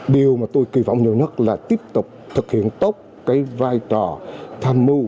điều mà tôi kỳ vọng nhiều nhất là tiếp tục thực hiện tốt cái vai trò tham mưu